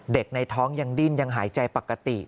ในท้องยังดิ้นยังหายใจปกติ